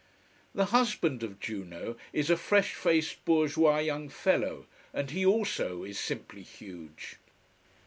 The husband of Juno is a fresh faced bourgeois young fellow, and he also is simply huge.